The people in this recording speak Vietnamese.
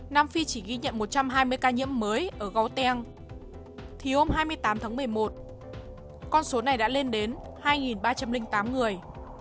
nam phi chỉ ghi nhận một trăm hai mươi ca nhiễm mới ở gầu teang thì hôm hai mươi tám tháng một mươi một con số này đã lên đến hai ba trăm linh tám người